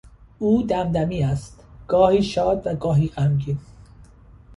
او دمدمی است: گاهی شاد و گاهی غمگین